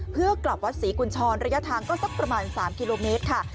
เพื่อกลับวัดศรีกุญชรระยะทางก็สักประมาณ๓กิโลเมตรค่ะ